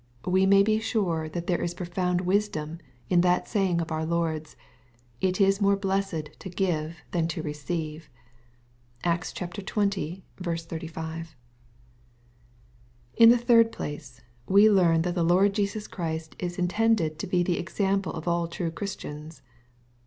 We may be sure there is profound wisdom in that saying of ourLord'8,"It is more blessed to give than to receive.'' (Acts xx. 35.) In the third place, we learn that the Lord Jesua Christ is intended to be the eocample of all true Christians.